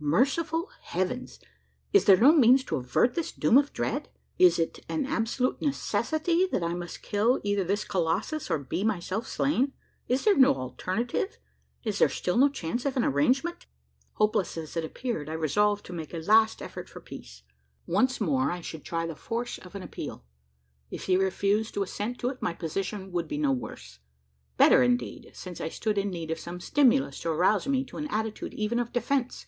"Merciful Heavens! is there no means to avert this doom of dread? Is it an absolute necessity, that I must either kill this colossus, or be myself slain? Is there no alternative? Is there still no chance of an arrangement?" Hopeless as it appeared, I resolved to make a last effort for peace. Once more I should try the force of an appeal. If he refused to assent to it, my position would be no worse. Better, indeed: since I stood in need of some stimulus to arouse me to an attitude, even of defence.